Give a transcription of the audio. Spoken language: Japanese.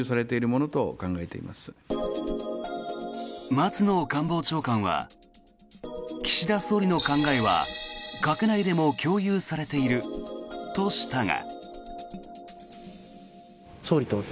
松野官房長官は岸田総理の考えは閣内でも共有されているとしたが。